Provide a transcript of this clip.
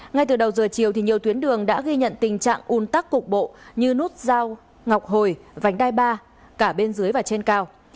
ngay từ đầu giờ chiều nhiều tuyến đường đã ghi nhận tình trạng un tắc cục bộ như nút giao ngọc hồi vành đai ba cả bên dưới và trên cao